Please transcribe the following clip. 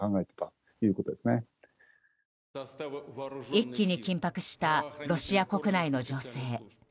一気に緊迫したロシア国内の情勢。